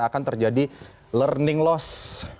akan terjadi learning loss